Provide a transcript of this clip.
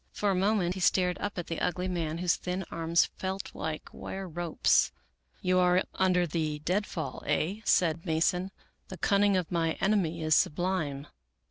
For a moment he stared up at the ugly man whose thin arms felt like wire ropes. " You are under the dead fall, aye," said Mason. " The cunning of my enemy is sublime."